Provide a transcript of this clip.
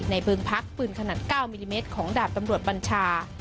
เพิงพักปืนขนาด๙มิลลิเมตรของดาบตำรวจบัญชา